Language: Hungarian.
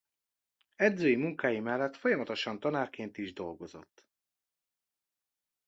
Edzői munkái mellett folyamatosan tanárként is dolgozott.